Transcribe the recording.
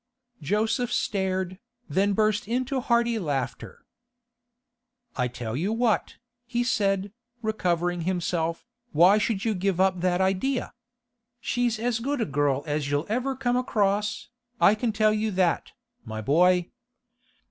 Joseph stared, then burst into hearty laughter. 'I tell you what,' he said, recovering himself, 'why should you give up that idea? She's as good a girl as you'll ever come across, I can tell you that, my boy.